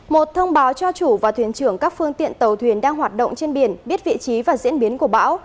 một thông báo cho chủ và thuyền trưởng các phương tiện tàu thuyền đang hoạt động trên biển biết vị trí và diễn biến của bão